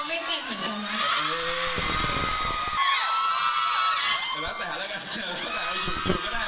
เดี๋ยววาดแตกเรากัน